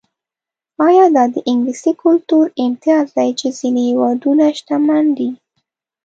ایا دا د انګلیسي کلتور امتیاز دی چې ځینې هېوادونه شتمن دي.